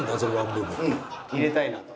入れたいなと。